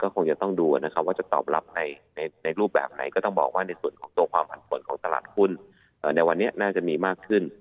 คงจะต้องดูนะครับว่าจะตอบรับในรูปแบบไหนก็ต้องบอกว่าในส่วนของตัวความผันผลของตลาดหุ้นในวันนี้น่าจะมีมากขึ้น